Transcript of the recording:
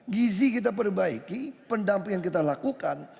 gizi kita perbaiki pendampingan kita lakukan